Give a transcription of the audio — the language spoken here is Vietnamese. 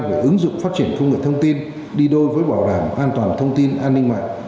về ứng dụng phát triển công nghệ thông tin đi đôi với bảo đảm an toàn thông tin an ninh mạng